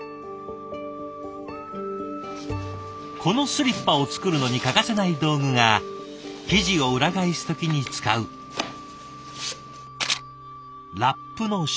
このスリッパを作るのに欠かせない道具が生地を裏返す時に使うラップの芯。